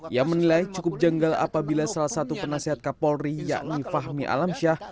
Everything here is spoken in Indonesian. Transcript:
ia menilai cukup janggal apabila salah satu penasehat kapolri yakni fahmi alamsyah